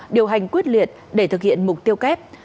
điều hành quyết liệt để thực hiện mục tiêu kép